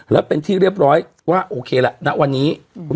แล้วเป็นที่เรียบร้อยว่าโอเคละณวันนี้